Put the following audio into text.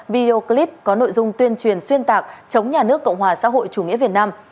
video clip có nội dung tuyên truyền xuyên tạc chống nhà nước cộng hòa xã hội chủ nghĩa việt nam